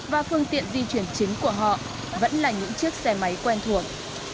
và phương tiện di chuyển chính của họ vẫn là những chiếc xe máy quen thuộc